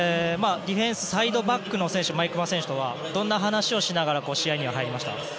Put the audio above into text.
ディフェンスサイドバックの毎熊選手とはどんな話をして試合に入りましたか？